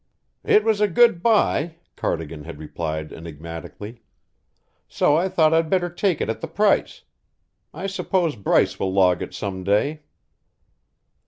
"It was a good buy," Cardigan had replied enigmatically; "so I thought I'd better take it at the price. I suppose Bryce will log it some day."